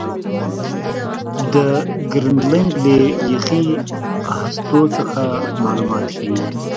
د ګرینلنډ له یخي هستو څخه معلومات ښيي.